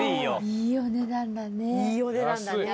いいお値段だね。